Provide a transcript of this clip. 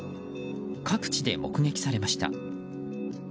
各地で目撃されました。